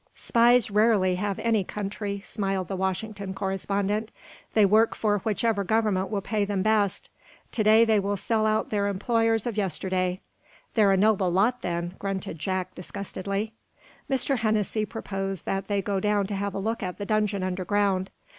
"Spies rarely have any country," smiled the washington correspondent. "They work for whichever government will pay them best. Today they will sell out their employers of yesterday." "They're a noble lot, then," grunted Jack, disgustedly. Mr. Hennessy proposed that they go down to have a look at the dungeon underground.